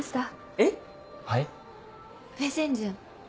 えっ？